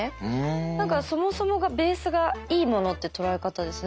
何かそもそもがベースがいいものって捉え方ですね